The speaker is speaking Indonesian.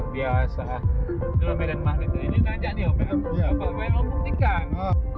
pak pak yang memuktikan